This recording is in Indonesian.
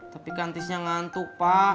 tapi kan tisnya ngantuk pak